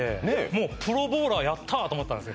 もうプロボウラーやった！と思ったんです